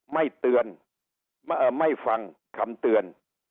ไม่เตือนไม่ฟังคำเตือน